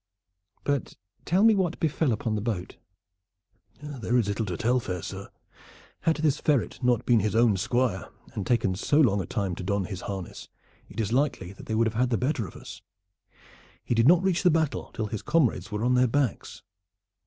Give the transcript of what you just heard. But tell me what befell upon the boat?" "There is little to tell, fair sir. Had this Ferret not been his own squire and taken so long a time to don his harness it is likely that they would have had the better of us. He did not reach the battle till his comrades were on their backs.